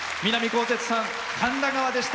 こうせつさん「神田川」でした。